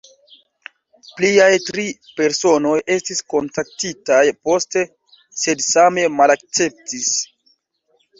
Pliaj tri personoj estis kontaktitaj poste, sed same malakceptis.